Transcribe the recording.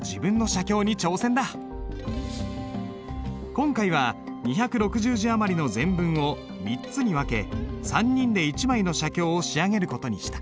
今回は２６０字余りの全文を３つに分け３人で一枚の写経を仕上げる事にした。